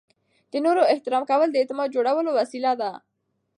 د نورو احترام کول د اعتماد جوړولو وسیله ده.